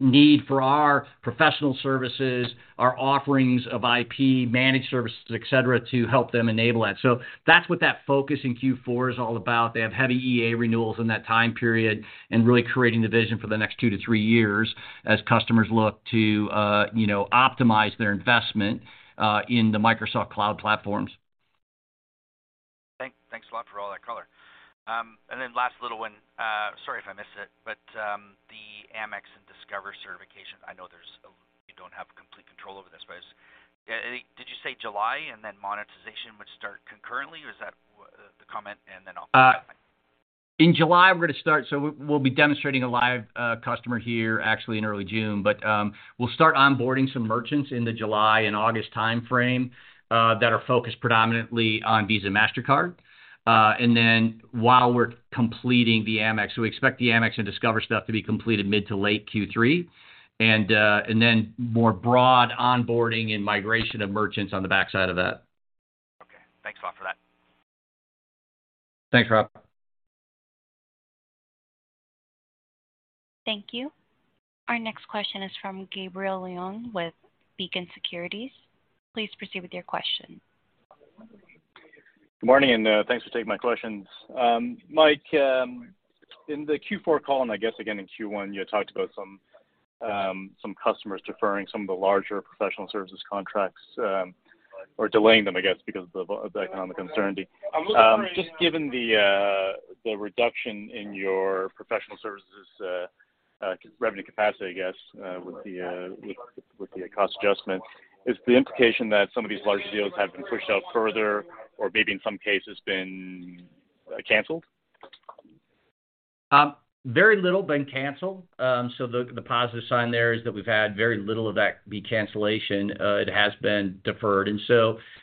Speaker 2: need for our professional services, our offerings of IP, managed services, et cetera, to help them enable that. That's what that focus in Q4 is all about. They have heavy EA renewals in that time period and really creating the vision for the next two to three years as customers look to, you know, optimize their investment in the Microsoft Cloud Platforms.
Speaker 7: Thanks a lot for all that color. Last little one, sorry if I missed it, but the Amex and Discover certification. I know you don't have complete control over this, but did you say July and then monetization would start concurrently, or is that the comment?
Speaker 2: In July, we're gonna start. We'll be demonstrating a live customer here actually in early June. We'll start onboarding some merchants in the July and August timeframe that are focused predominantly on Visa, Mastercard. While we're completing the Amex, we expect the Amex and Discover stuff to be completed mid to late Q3, and then more broad onboarding and migration of merchants on the backside of that.
Speaker 7: Okay. Thanks a lot for that.
Speaker 2: Thanks, Rob.
Speaker 1: Thank you. Our next question is from Gabriel Leung with Beacon Securities. Please proceed with your question.
Speaker 8: Good morning, thanks for taking my questions. Mike, in the Q4 call, I guess again in Q1, you had talked about some customers deferring some of the larger professional services contracts, or delaying them, I guess, because of the economic uncertainty. Just given the reduction in your professional services revenue capacity, I guess, with the cost adjustment, is the implication that some of these large deals have been pushed out further or maybe in some cases been canceled?
Speaker 2: Very little been canceled. The, the positive sign there is that we've had very little of that be cancellation. It has been deferred.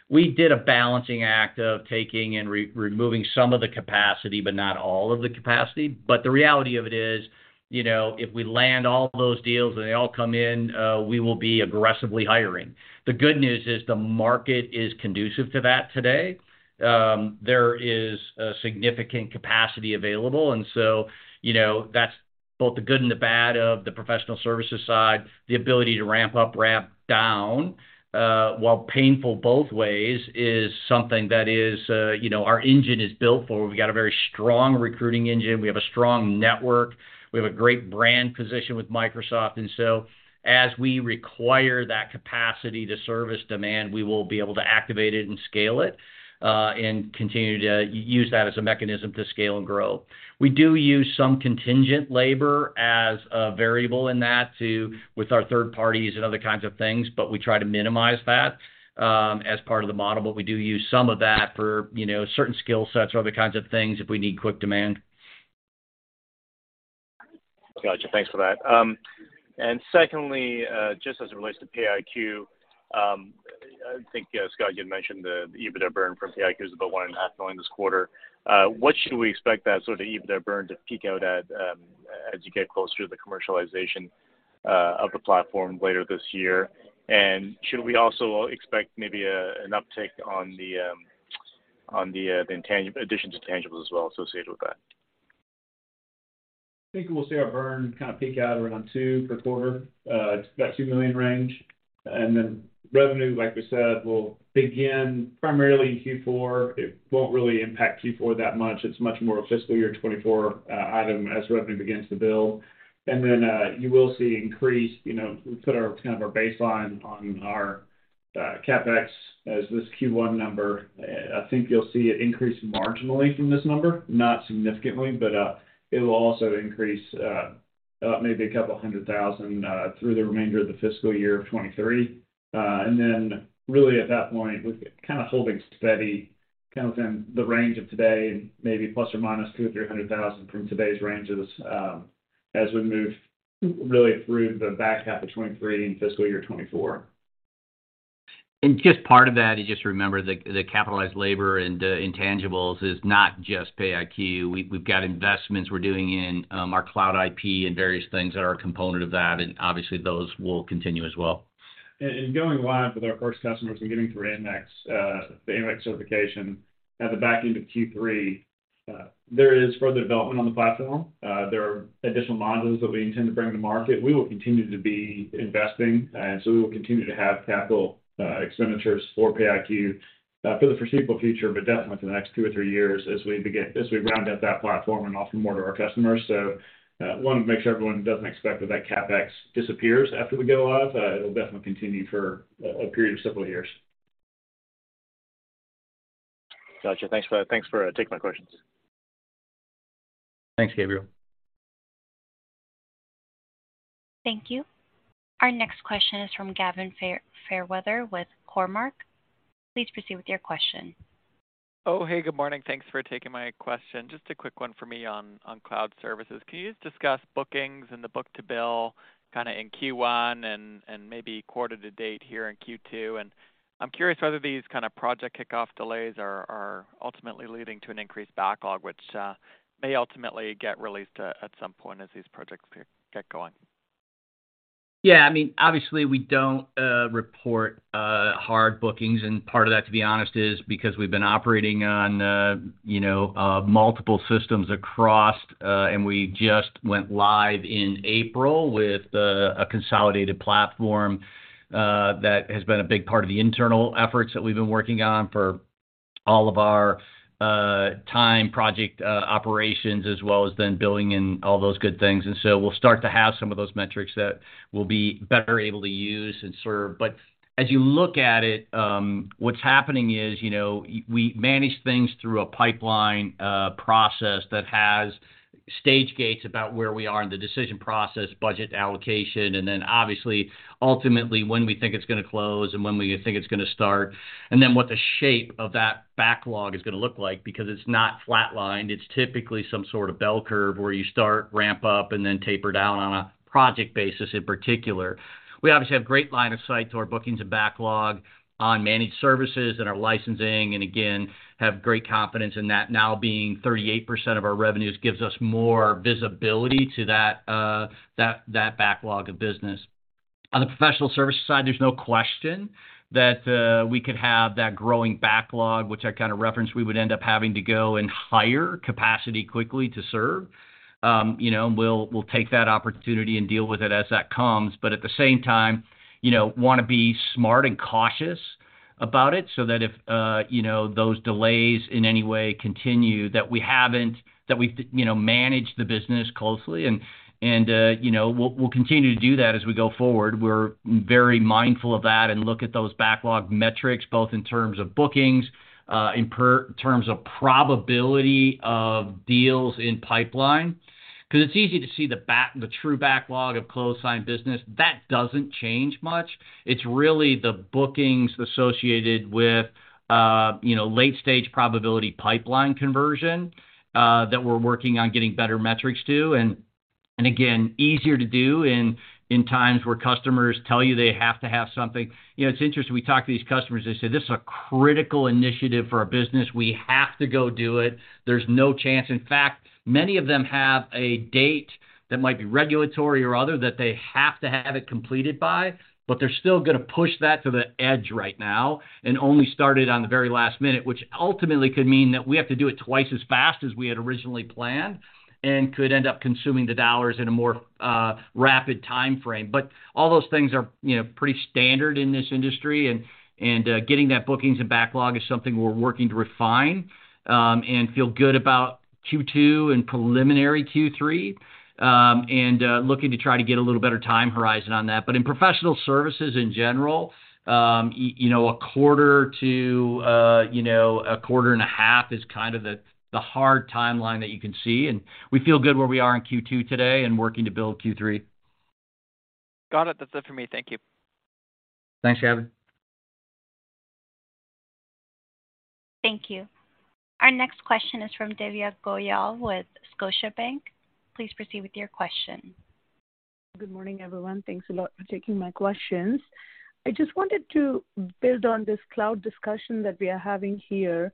Speaker 2: We did a balancing act of taking and re-removing some of the capacity, but not all of the capacity. The reality of it is, you know, if we land all those deals and they all come in, we will be aggressively hiring. The good news is the market is conducive to that today. There is a significant capacity available, and so, you know, that's both the good and the bad of the professional services side. The ability to ramp up, ramp down, while painful both ways, is something that is, you know, our engine is built for. We've got a very strong recruiting engine, we have a strong network, we have a great brand position with Microsoft. As we require that capacity to service demand, we will be able to activate it and scale it, and continue to use that as a mechanism to scale and grow. We do use some contingent labor as a variable in that with our third parties and other kinds of things, but we try to minimize that as part of the model. We do use some of that for, you know, certain skill sets or other kinds of things if we need quick demand.
Speaker 8: Gotcha. Thanks for that. Secondly, just as it relates to PayiQ, I think, Scott, you had mentioned the EBITDA burn from PayiQ is about one and a half million this quarter. What should we expect that sort of EBITDA burn to peak out at, as you get closer to the commercialization of the platform later this year? Should we also expect maybe a, an uptick on the addition to tangibles as well associated with that?
Speaker 3: I think we'll see our burn kind of peak out around $2 per quarter, about $2 million range. Revenue, like we said, will begin primarily Q4. It won't really impact Q4 that much. It's much more a fiscal year 2024 item as revenue begins to build. You will see increased, you know, we put kind of our baseline on our CapEx as this Q1 number. I think you'll see it increase marginally from this number, not significantly, but it will also increase up maybe a couple hundred thousand through the remainder of the fiscal year of 2023. Really at that point, with kind of holding steady, kind of within the range of today and maybe ±$200,000 or $300,000 from today's ranges, as we move really through the back half of 2023 and fiscal year 2024.
Speaker 2: Just part of that is just remember the capitalized labor and intangibles is not just PayiQ. We've got investments we're doing in our cloud IP and various things that are a component of that, and obviously those will continue as well.
Speaker 3: Going live with our first customers and getting through AMEX, the AMEX certification at the back end of Q3, there is further development on the platform. There are additional modules that we intend to bring to market. We will continue to be investing, and so we will continue to have capital expenditures for PayiQ for the foreseeable future, but definitely for the next two or three years as we round out that platform and offer more to our customers. Wanna make sure everyone doesn't expect that that CapEx disappears after we go live. It'll definitely continue for a period of several years.
Speaker 8: Gotcha. Thanks for taking my questions.
Speaker 2: Thanks, Gabriel.
Speaker 1: Thank you. Our next question is from Gavin Fairweather with Cormark. Please proceed with your question.
Speaker 9: Oh, hey, good morning. Thanks for taking my question. Just a quick one for me on cloud services. Can you just discuss bookings and the book-to-bill kinda in Q1 and maybe quarter to date here in Q2? I'm curious whether these kinda project kickoff delays are ultimately leading to an increased backlog, which may ultimately get released at some point as these projects get going.
Speaker 2: Yeah. I mean, obviously we don't report hard bookings. Part of that, to be honest, is because we've been operating on, you know, multiple systems across. We just went live in April with a consolidated platform that has been a big part of the internal efforts that we've been working on for all of our time, project, operations, as well as then billing and all those good things. We'll start to have some of those metrics that we'll be better able to use and serve. As you look at it, what's happening is, you know, we manage things through a pipeline process that has stage gates about where we are in the decision process, budget allocation, and then obviously ultimately when we think it's gonna close and when we think it's gonna start, and then what the shape of that backlog is gonna look like because it's not flat lined. It's typically some sort of bell curve where you start, ramp up, and then taper down on a project basis in particular. We obviously have great line of sight to our bookings and backlog on managed services and our licensing, and again, have great confidence in that now being 38% of our revenues gives us more visibility to that backlog of business. On the professional services side, there's no question that, we could have that growing backlog, which I kinda referenced, we would end up having to go and hire capacity quickly to serve. You know, we'll take that opportunity and deal with it as that comes, but at the same time, you know, wanna be smart and cautious about it so that if, you know, those delays in any way continue, that we've, you know, managed the business closely and, you know, we'll continue to do that as we go forward. We're very mindful of that and look at those backlog metrics both in terms of bookings, in terms of probability of deals in pipeline. 'Cause it's easy to see the true backlog of closed signed business. That doesn't change much. It's really the bookings associated with, you know, late-stage probability pipeline conversion, that we're working on getting better metrics to. Again, easier to do in times where customers tell you they have to have something. You know, it's interesting, we talk to these customers, they say, "This is a critical initiative for our business. We have to go do it. There's no chance." In fact, many of them have a date that might be regulatory or other that they have to have it completed by, but they're still gonna push that to the edge right now and only start it on the very last minute, which ultimately could mean that we have to do it twice as fast as we had originally planned and could end up consuming the dollars in a more rapid timeframe. All those things are, you know, pretty standard in this industry and getting that bookings and backlog is something we're working to refine, and feel good about Q2 and preliminary Q3, and looking to try to get a little better time horizon on that. In professional services in general, you know, a quarter to, you know, a quarter and a half is kind of the hard timeline that you can see. We feel good where we are in Q2 today and working to build Q3.
Speaker 9: Got it. That's it for me. Thank you.
Speaker 2: Thanks, Gavin.
Speaker 1: Thank you. Our next question is from Divya Goyal with Scotiabank. Please proceed with your question.
Speaker 10: Good morning, everyone. Thanks a lot for taking my questions. I just wanted to build on this cloud discussion that we are having here.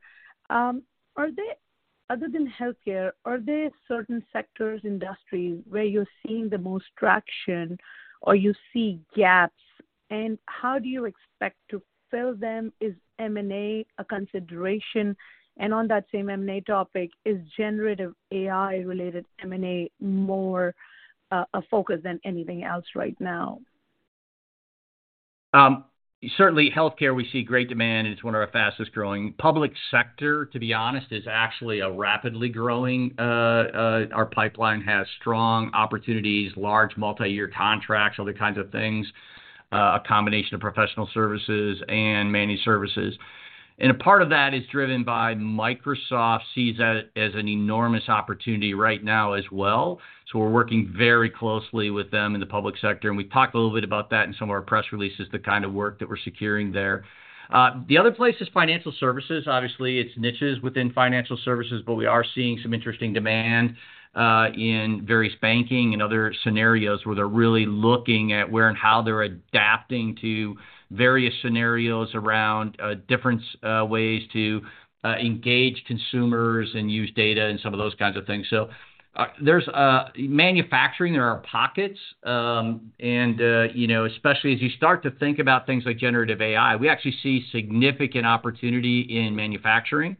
Speaker 10: Other than healthcare, are there certain sectors, industries where you're seeing the most traction or you see gaps, and how do you expect to fill them? Is M&A a consideration? On that same M&A topic, is generative AI-related M&A more a focus than anything else right now?
Speaker 2: Certainly healthcare, we see great demand, and it's one of our fastest-growing. Public sector, to be honest, is actually a rapidly growing. Our pipeline has strong opportunities, large multi-year contracts, all the kinds of things, a combination of professional services and managed services. A part of that is driven by Microsoft sees that as an enormous opportunity right now as well. We're working very closely with them in the public sector, and we talked a little bit about that in some of our press releases, the kind of work that we're securing there. The other place is financial services. Obviously, it's niches within financial services, but we are seeing some interesting demand in various banking and other scenarios where they're really looking at where and how they're adapting to various scenarios around different ways to engage consumers and use data and some of those kinds of things. There's manufacturing. There are pockets, and, you know, especially as you start to think about things like generative AI, we actually see significant opportunity in manufacturing.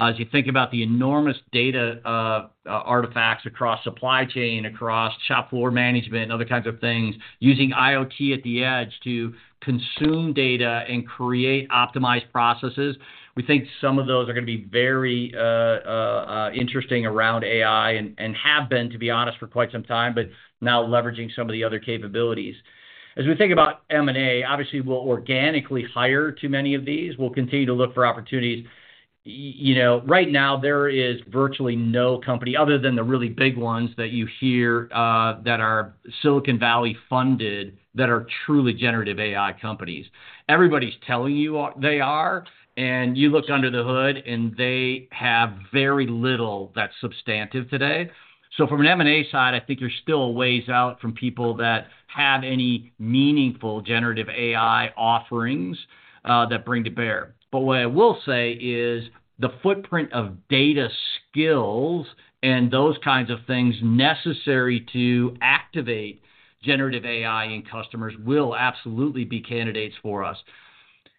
Speaker 2: As you think about the enormous data artifacts across supply chain, across shop floor management, and other kinds of things, using IoT at the edge to consume data and create optimized processes, we think some of those are gonna be very interesting around AI and, to be honest, for quite some time, but now leveraging some of the other capabilities. As we think about M&A, obviously, we'll organically hire to many of these. We'll continue to look for opportunities. You know, right now there is virtually no company, other than the really big ones that you hear, that are Silicon Valley funded, that are truly generative AI companies. Everybody's telling you what they are, and you look under the hood, and they have very little that's substantive today. From an M&A side, I think you're still a ways out from people that have any meaningful generative AI offerings, that bring to bear. What I will say is the footprint of data skills and those kinds of things necessary to activate generative AI in customers will absolutely be candidates for us.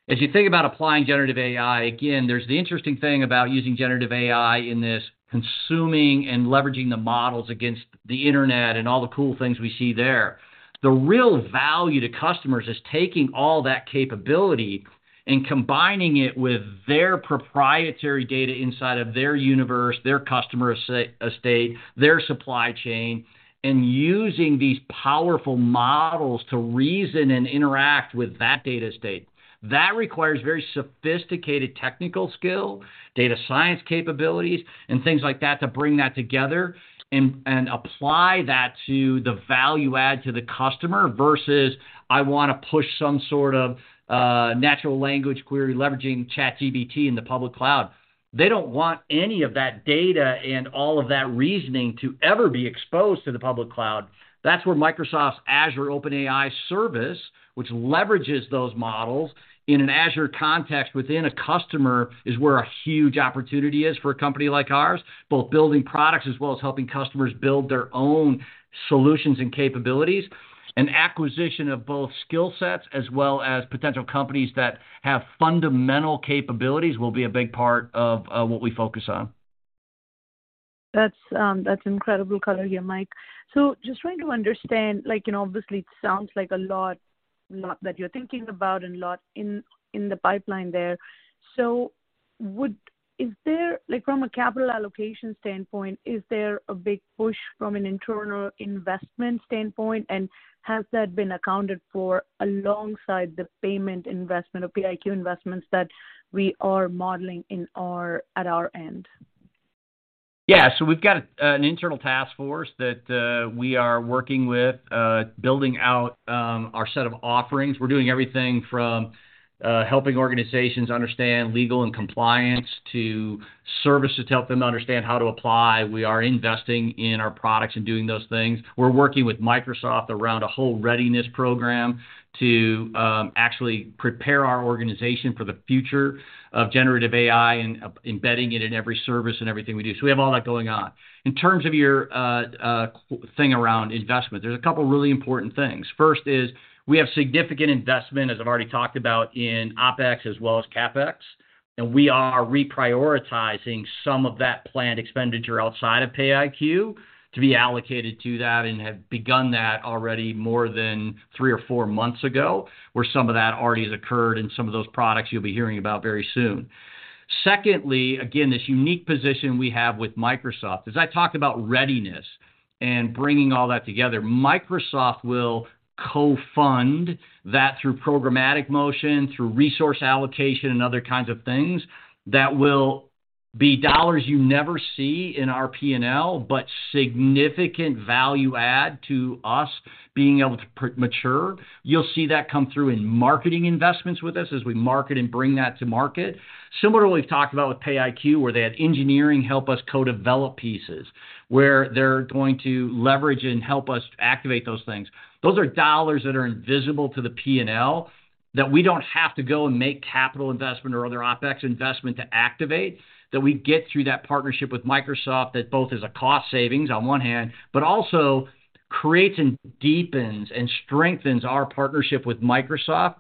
Speaker 2: As you think about applying generative AI, again, there's the interesting thing about using generative AI in this consuming and leveraging the models against the internet and all the cool things we see there. The real value to customers is taking all that capability and combining it with their proprietary data inside of their universe, their customer estate, their supply chain, and using these powerful models to reason and interact with that data estate. That requires very sophisticated technical skill, data science capabilities, and things like that to bring that together and apply that to the value add to the customer versus I wanna push some sort of natural language query leveraging ChatGPT in the public cloud. They don't want any of that data and all of that reasoning to ever be exposed to the public cloud. That's where Microsoft's Azure OpenAI Service, which leverages those models in an Azure context within a customer, is where a huge opportunity is for a company like ours, both building products as well as helping customers build their own solutions and capabilities. Acquisition of both skill sets as well as potential companies that have fundamental capabilities will be a big part of what we focus on.
Speaker 10: That's incredible color here, Mike. Just trying to understand, like, you know, obviously, it sounds like a lot that you're thinking about and a lot in the pipeline there. Is there, like, from a capital allocation standpoint, is there a big push from an internal investment standpoint, and has that been accounted for alongside the payment investment or PayiQ investments that we are modeling in our, at our end?
Speaker 2: Yeah. We've got an internal task force that we are working with, building out our set of offerings. We're doing everything from helping organizations understand legal and compliance to services to help them understand how to apply. We are investing in our products and doing those things. We're working with Microsoft around a whole readiness program to actually prepare our organization for the future of generative AI and embedding it in every service and everything we do. We have all that going on. In terms of your thing around investment, there's a couple really important things. First is we have significant investment, as I've already talked about, in OpEx as well as CapEx, and we are reprioritizing some of that planned expenditure outside of PayiQ to be allocated to that and have begun that already more than three or four months ago, where some of that already has occurred in some of those products you'll be hearing about very soon. Secondly, again, this unique position we have with Microsoft. As I talked about readiness and bringing all that together, Microsoft will co-fund that through programmatic motion, through resource allocation, and other kinds of things that will be dollars you never see in our P&L, but significant value add to us being able to mature. You'll see that come through in marketing investments with us as we market and bring that to market. Similarly, we've talked about with PayiQ, where they had engineering help us co-develop pieces, where they're going to leverage and help us activate those things. Those are dollars that are invisible to the P&L that we don't have to go and make capital investment or other OpEx investment to activate, that we get through that partnership with Microsoft that both is a cost savings on one hand, but also creates and deepens and strengthens our partnership with Microsoft.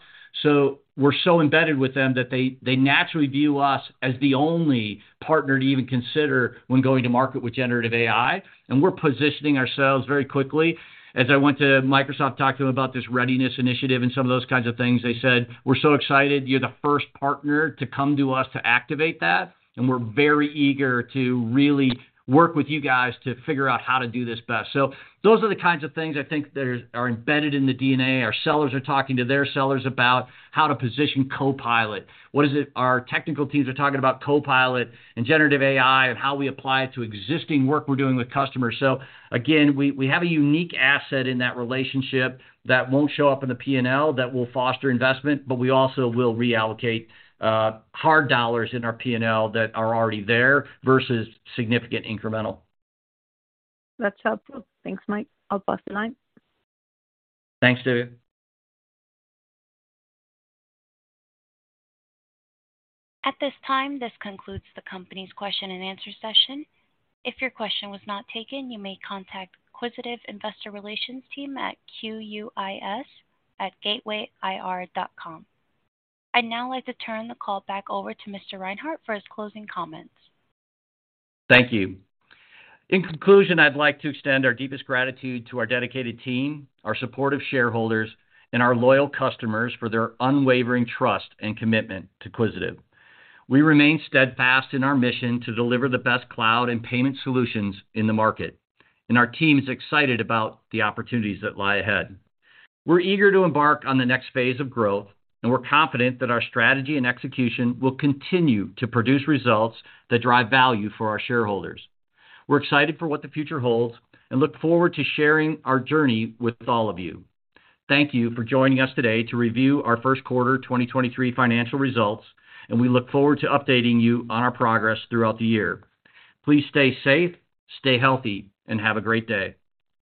Speaker 2: We're so embedded with them that they naturally view us as the only partner to even consider when going to market with generative AI. We're positioning ourselves very quickly. As I went to Microsoft, talked to them about this readiness initiative and some of those kinds of things. They said, "We're so excited you're the first partner to come to us to activate that, and we're very eager to really work with you guys to figure out how to do this best." Those are the kinds of things I think that are embedded in the DNA. Our sellers are talking to their sellers about how to position Copilot. What is it our technical teams are talking about Copilot and generative AI and how we apply it to existing work we're doing with customers. Again, we have a unique asset in that relationship that won't show up in the P&L, that will foster investment, but we also will reallocate hard dollars in our P&L that are already there versus significant incremental.
Speaker 10: That's helpful. Thanks, Mike. I'll pass the line.
Speaker 2: Thanks, Divya.
Speaker 1: At this time, this concludes the company's question and answer session. If your question was not taken, you may contact Quisitive investor relations team at quis@gatewayir.com. I'd now like to turn the call back over to Mr. Reinhart for his closing comments.
Speaker 2: Thank you. In conclusion, I'd like to extend our deepest gratitude to our dedicated team, our supportive shareholders, and our loyal customers for their unwavering trust and commitment to Quisitive. We remain steadfast in our mission to deliver the best cloud and payment solutions in the market, and our team is excited about the opportunities that lie ahead. We're eager to embark on the next phase of growth, and we're confident that our strategy and execution will continue to produce results that drive value for our shareholders. We're excited for what the future holds and look forward to sharing our journey with all of you. Thank you for joining us today to review our first quarter 2023 financial results, and we look forward to updating you on our progress throughout the year. Please stay safe, stay healthy, and have a great day.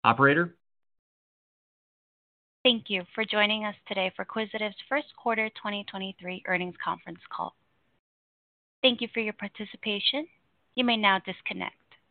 Speaker 2: Operator.
Speaker 1: Thank you for joining us today for Quisitive's first quarter 2023 earnings conference call. Thank you for your participation. You may now disconnect.